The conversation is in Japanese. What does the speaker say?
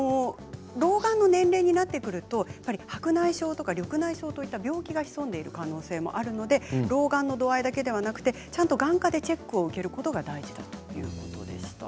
老眼の年齢になってくると白内障とか緑内障といった病気が潜んでいる可能性もあるので老眼の度合いだけではなくちゃんと眼科でチェックを受けることが大事だということです。